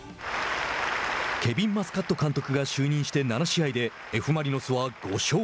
ケビン・マスカット監督が就任して７試合でＦ・マリノスは５勝。